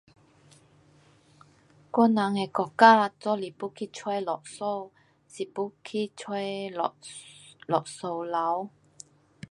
我人的国家，如是要去找律师，是要去找找律师楼。